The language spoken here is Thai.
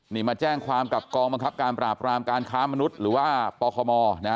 นี่มาแจ้งความกับกองบังคับการปราบรามการค้ามนุษย์หรือว่าปคมนะฮะ